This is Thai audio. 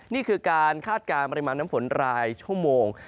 นี่คือการคาดการณ์ปริมาณน้ำฝนรายชั่วโมง